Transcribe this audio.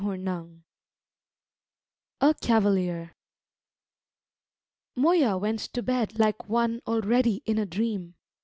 VII A CAVALIER Moya went to bed like one already in a dream.